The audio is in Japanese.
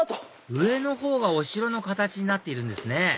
上のほうがお城の形になっているんですね